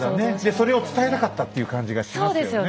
それを伝えたかったっていう感じがしますよね。